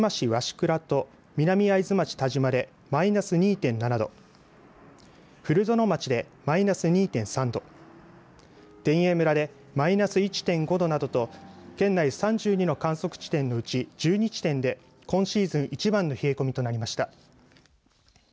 倉と南会津町田島でマイナス２．７度古殿町でマイナス２．３度天栄村でマイナス１．５度などと県内３２の観測地点のうち１２地点で今シーズン一番の冷え込みとなりました。